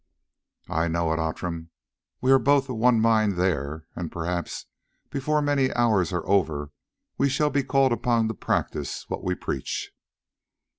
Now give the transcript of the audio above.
"I know it, Outram; we are both of one mind there, and perhaps before many hours are over we shall be called upon to practise what we preach."